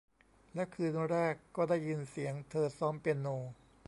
แล้วคืนแรกก็ได้ยินเสียงเธอซ้อมเปียโน